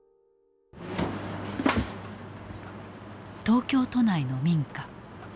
東京都内の民家。